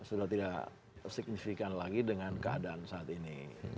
sudah tidak signifikan lagi dengan keadaan saat ini